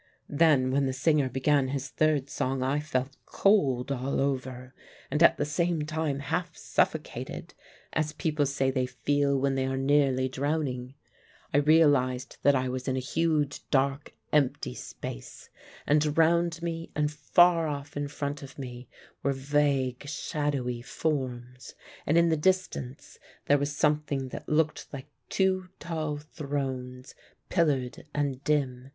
Then when the singer began his third song I felt cold all over, and at the same time half suffocated, as people say they feel when they are nearly drowning. I realised that I was in a huge, dark, empty space, and round me and far off in front of me were vague shadowy forms; and in the distance there was something which looked like two tall thrones, pillared and dim.